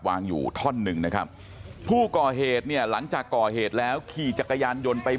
วางอยู่ท่อนหนึ่งนะครับผู้ก่อเหตุเนี่ยหลังจากก่อเหตุแล้วขี่จักรยานยนต์ไป